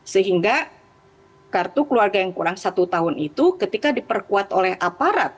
sehingga kartu keluarga yang kurang satu tahun itu ketika diperkuat oleh aparat